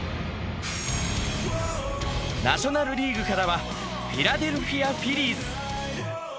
ナショナル・リーグからはフィラデルフィア・フィリーズ。